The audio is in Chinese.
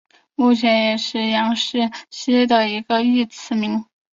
目前也是杨氏蜥的一个次异名。